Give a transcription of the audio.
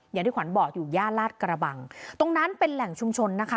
อย่างที่ขวัญบอกอยู่ย่านลาดกระบังตรงนั้นเป็นแหล่งชุมชนนะคะ